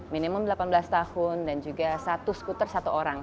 minimum delapan belas tahun dan juga satu skuter satu orang